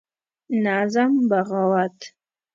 نظم: بغاوت